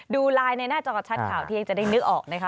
ดูไลน์ในหน้าจอชัดข่าวเที่ยงจะได้นึกออกนะคะ